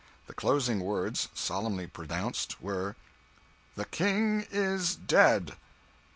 The closing words, solemnly pronounced, were "The King is dead!"